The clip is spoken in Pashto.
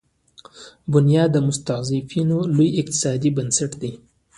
بنیاد مستضعفین لوی اقتصادي بنسټ دی.